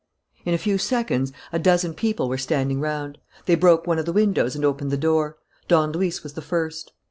In a few seconds a dozen people were standing round. They broke one of the windows and opened the door. Don Luis was the first.